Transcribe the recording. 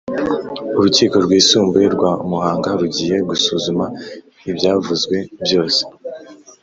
Urukiko rwisumbuye rwa Muhanga rugiye gusuzuma ibyavuzwe byose